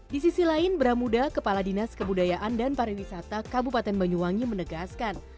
di sisi lain bramuda kepala dinas kebudayaan dan pariwisata kabupaten banyuwangi menegaskan